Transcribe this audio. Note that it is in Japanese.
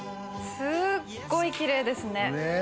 すっごいキレイですね。